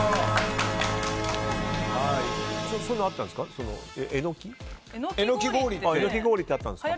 そういうのあったんですか？